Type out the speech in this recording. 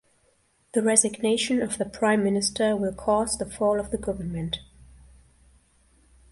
The resignation of the Prime Minister will cause the fall of the Government.